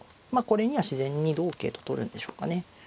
これには自然に同桂と取るんでしょうかね。